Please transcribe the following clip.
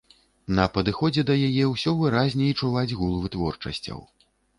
На падыходзе да яе ўсё выразней чуваць гул вытворчасцяў.